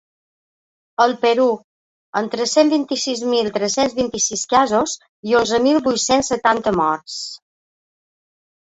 El Perú: amb tres-cents vint-i-sis mil tres-cents vint-i-sis casos i onzen mil vuit-cents setanta morts.